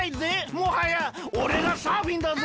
もはやおれがサーフィンだぜ！